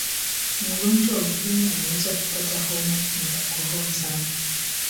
mgonjwa wa ukimwi anaweza kupata homa na kukohoa sana